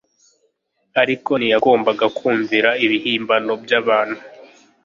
ariko ntiyagombaga kumvira ibihimbano by'abantu.